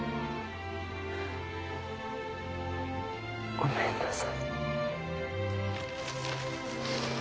ごめんなさい。